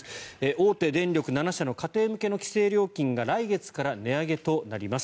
大手電力７社の家庭向けの規制料金が来月から値上げとなります。